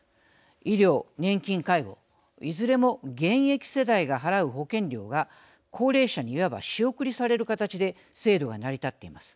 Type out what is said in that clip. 医療、年金、介護いずれも現役世代が払う保険料が高齢者にいわば仕送りされる形で制度が成り立っています。